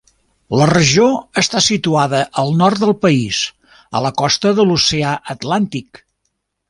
La regió està situada al nord del país, a la costa de l'oceà Atlàntic.